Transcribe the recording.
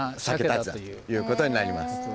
サケだということになります。